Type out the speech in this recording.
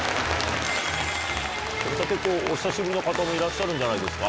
お久しぶりの方もいらっしゃるんじゃないですか。